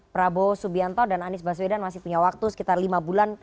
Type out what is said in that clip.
prabowo subianto dan anies baswedan masih punya waktu sekitar lima bulan